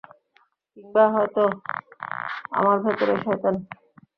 কিংবা হয়ত আমার ভেতরেই শয়তান।